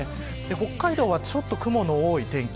北海道はちょっと雲の多い天気